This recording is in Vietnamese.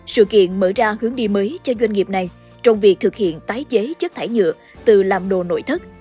sự kiện mở ra hướng đi mới cho doanh nghiệp này trong việc thực hiện tái chế chất thải nhựa từ làm đồ nội thất